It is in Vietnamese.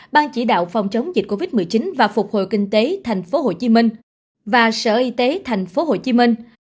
ban chỉ đạo phòng chống dịch covid một mươi chín và phục hồi kinh tế tp hcm và sở y tế tp hcm